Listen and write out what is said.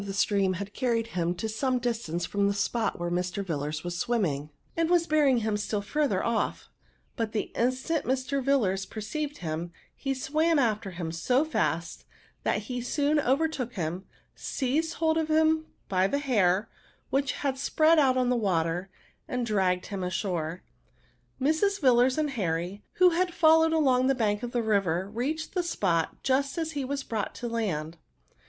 the stream had carried him to some distance from the spot where Mr. Yillars was swimming, and was bearing him stiU farther oiF; but the instant Mr. Yillars perceived him, he swam after him so fast, that he soon overtook him, seized hold of him bj the hair, which was spread out upon the water, and dragged him ashore. Mrs. Yillars and Harry, who had followed along the bank of the river, reached the spot just as he was brought to land.